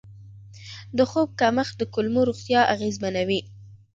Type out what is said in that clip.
د خوب کمښت د کولمو روغتیا اغېزمنوي.